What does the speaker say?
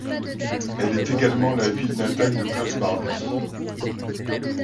Elle est également la ville natale de Klaus Barbie.